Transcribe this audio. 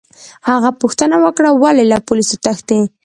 هغه پوښتنه وکړه: ولي، له پولیسو تښتې؟